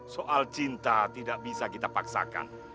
soal cinta tidak bisa kita paksakan